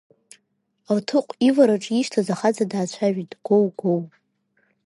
Алҭыҟә ивараҿы ишьҭаз ахаҵа даацәажәеит гәоу-гәоу.